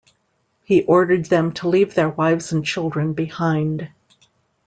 He ordered them to leave their wives and children behind.